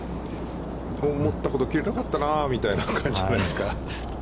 思ったほど切れなかったなぁみたいな感じじゃないですか。